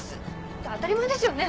って当たり前ですよね。